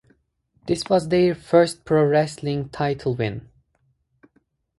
This was their first pro-wrestling Title win.